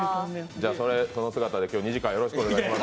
その姿で今日は２時間よろしくお願いします。